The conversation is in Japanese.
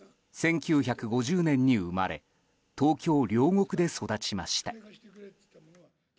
１９５０年に生まれ東京・両国で育ちました。